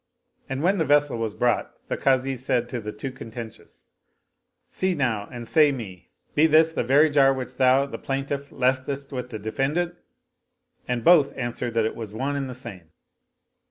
And when the vessel was brought the Kazi said to the two contentious, " See now and say me: be this the very jar which thou, the plaintiff, leftest with the defendant? " and both answered that it was one and the same.